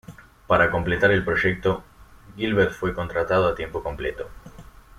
Para completar el proyecto, Gilbert fue contratado a tiempo completo.